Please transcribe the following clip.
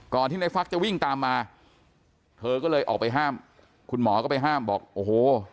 ที่ในฟักจะวิ่งตามมาเธอก็เลยออกไปห้ามคุณหมอก็ไปห้ามบอกโอ้โห